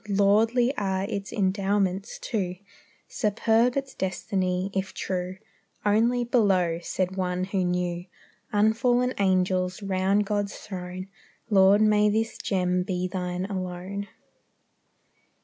Lordly are its endowments, too; Superb its destiny, if true; Only below, said one who knew, Unfallen angels round God's throne. Lord, may this gem be Thine alone.